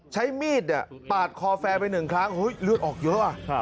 ใช้มีดปาดคอแฟนไปหนึ่งครั้งเฮ้ยเลือดออกเยอะ